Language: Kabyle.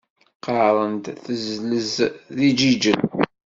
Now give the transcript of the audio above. Qqaren-d tezlez deg Jijel.